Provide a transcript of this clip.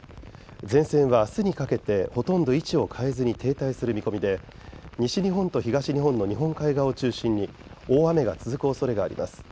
前線は明日にかけてほとんど位置を変えずに停滞する見込みで西日本と東日本の日本海側を中心に大雨が続くおそれがあります。